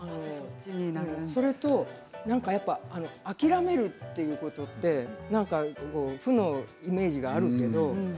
それとやっぱり諦めるということって負のイメージがあるけれど。